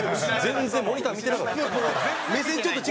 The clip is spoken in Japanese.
全然モニター見てなかった。